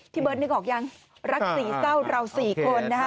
ที่เบิร์ตนึกออกยังรักษีเศร้าเราสี่คนนะคะ